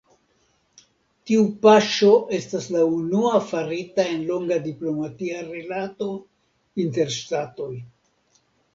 Tiu paŝo estas la unua farita en longa diplomatia rilato inter ŝtatoj.